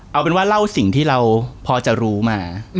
เอาเป็นว่าเล่าสิ่งที่เราพอจะรู้มา